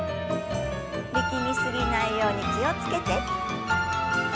力み過ぎないように気を付けて。